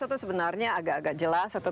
atau sebenarnya agak agak jelas atau